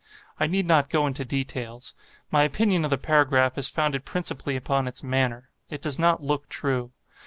I need not go into details. My opinion of the paragraph is founded principally upon its manner. It does not look true.